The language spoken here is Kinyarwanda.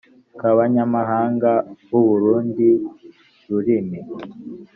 k’abanyamahanga b’urundi rurimi